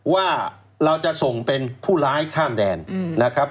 ว่าเราจะส่งเป็นผู้ร้ายข้ามแดนนะครับ